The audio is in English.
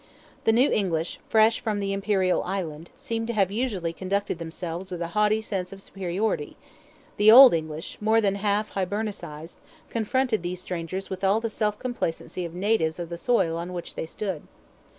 The new English, fresh from the Imperial island, seem to have usually conducted themselves with a haughty sense of superiority; the old English, more than half Hibernicized, confronted these strangers with all the self complacency of natives of the soil on which they stood.